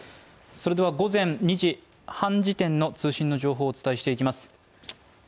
それでは午前２時半時点の通信の情報をお伝えしていきます